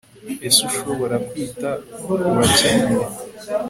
ese ushobora kwita ku bakeneye